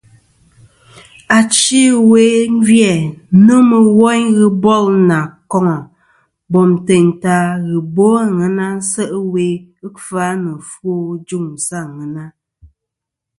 Achi ɨwe gvi-æ nomɨ woyn ghɨ bol nà koŋa bom teyn ta ghɨ bo àŋena se' ɨwe kfa nɨ ɨfwo ɨ juŋ sɨ àŋena.